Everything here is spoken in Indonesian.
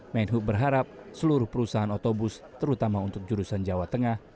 menhub berharap seluruh perusahaan otobus terutama untuk jurusan jawa tengah